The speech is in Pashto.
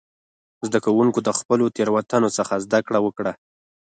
زده کوونکو د خپلو تېروتنو څخه زده کړه وکړه.